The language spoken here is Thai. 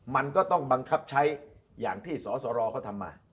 มันก็ต้องบังคับใช้อย่างที่สสรเขาทำมา